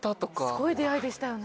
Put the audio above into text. すごい出会いでしたよね。